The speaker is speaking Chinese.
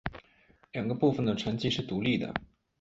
两个部分的成绩是独立的。